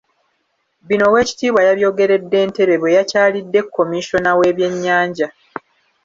Bino Owekitiibwa yabyogeredde Ntebe bweyakyalidde Commissioner w'Ebyenyanja.